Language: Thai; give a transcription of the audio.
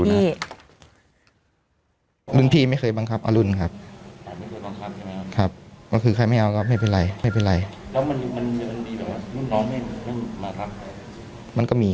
ค่ะเดี๋ยวลองฟังดูนะอ่าเสียงรุ่นพี่